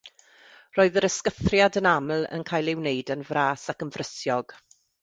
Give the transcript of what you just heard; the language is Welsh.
Roedd yr ysgythriad yn aml yn cael ei wneud yn fras ac yn frysiog.